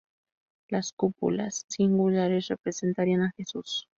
Las cúpulas singulares representarían a Jesús.